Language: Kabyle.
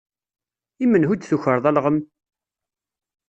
I menhu i d-tukreḍ alɣem?